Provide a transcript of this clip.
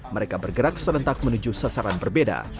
mereka bergerak serentak menuju sasaran berbeda